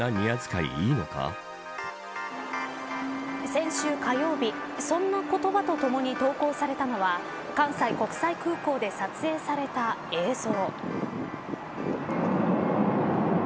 先週火曜日そんな言葉とともに投稿されたのは関西国際空港で撮影された映像。